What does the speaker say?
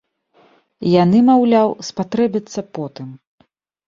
Яны, маўляў, спатрэбяцца потым.